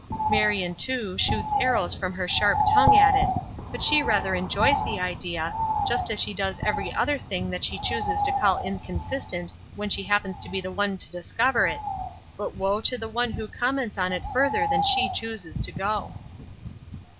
"Marion, too, shoots arrows from her sharp tongue at it, but she rather enjoys the idea, just as she does every other thing that she chooses to call inconsistent when she happens to be the one to discover it; but woe to the one who comments on it further than she chooses to go.